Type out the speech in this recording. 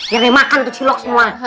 yang dimakan ke cilok semua